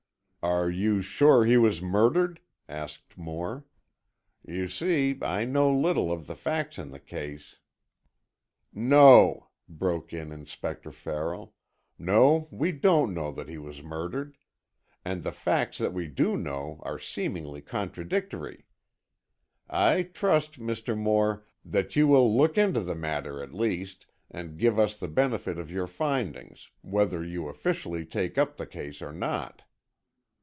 "Are you sure he was murdered?" asked Moore. "You see, I know little of the facts in the case." "No," broke in Inspector Farrell, "no, we don't know that he was murdered. And the facts that we do know are seemingly contradictory. I trust, Mr. Moore, that you will look into the matter, at least, and give us the benefit of your findings, whether you officially take up the case or not."